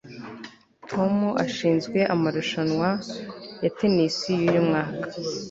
tom ashinzwe amarushanwa ya tennis yuyu mwaka